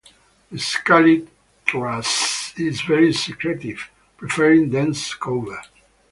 The scaly thrush is very secretive, preferring dense cover.